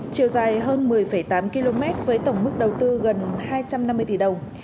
chiều dài hơn một mươi tám km với tổng mức đầu tư gần hai trăm năm mươi tỷ đồng